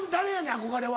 憧れは。